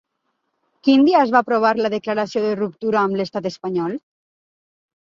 Quin dia es va aprovar la declaració de ruptura amb l'Estat espanyol?